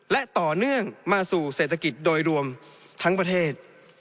และต่อเนื่องมาสู่เศรษฐกิจโดยรวมทั้งประเทศ